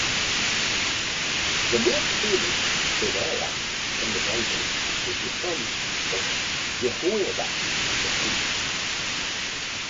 The most famous Benaiah in the Bible is the son of Jehoiada the priest.